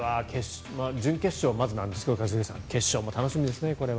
準決勝がまずなんですが一茂さん、決勝も楽しみですね。